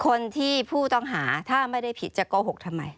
คนที่ผู้ต้องหาถ้าไม่ได้ผิดจะโกหกทำไม